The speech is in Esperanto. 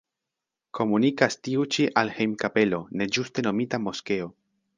Komunikas tiu ĉi al hejm-kapelo, ne ĝuste nomita moskeo.